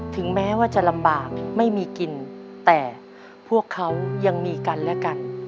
ถึงแม้ว่าจะลำบากไม่มีกินแต่พวกเขายังมีกันและกัน